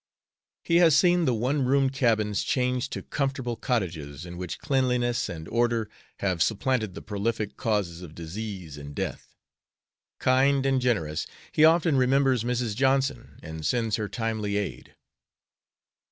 He has seen the one roomed cabins change to comfortable cottages, in which cleanliness and order have supplanted the prolific causes of disease and death. Kind and generous, he often remembers Mrs. Johnson and sends her timely aid.